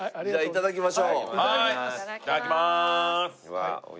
いただきます！